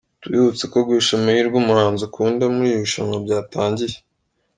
Tubibutse ko guhesha amahirwe umuhanzi ukunda muri iri rushanwa byatangiye.